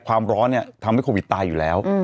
ความร้อนเนี่ยทำให้โควิดตายอยู่แล้ว